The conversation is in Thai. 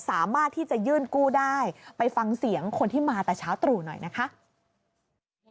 สามารถที่จะยื่นกู้ได้ไปฟังเสียงคนที่มาแต่เช้าตรู่หน่อยนะคะ